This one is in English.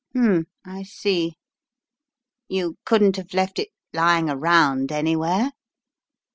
"Hmn, I see. You couldn't have left it lying around anywhere?"